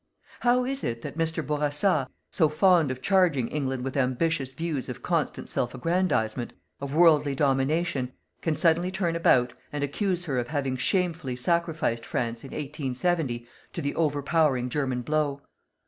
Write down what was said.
How is it that Mr. Bourassa, so fond of charging England with ambitious views of constant self agrandizement, of worldly domination, can suddenly turn about and accuse her of having shamefully sacrificed France, in 1870, to the overpowering German blow?